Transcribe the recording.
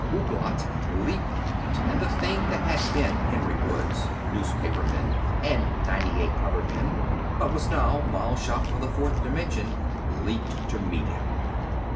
Ouglat leaped and the thing that had been Henry Woods, newspaperman, and ninety eight other men, but was now Mal Shaff of the fourth dimension, leaped to meet him.